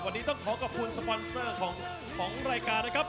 วันนี้ต้องขอขอบคุณสปอนเซอร์ของรายการนะครับ